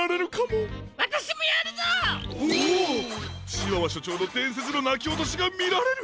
チワワしょちょうのでんせつのなきおとしがみられる？